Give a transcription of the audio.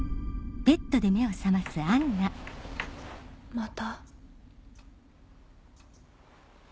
また。